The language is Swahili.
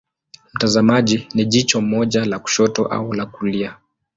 Mtazamaji ni jicho moja la kushoto au la kulia.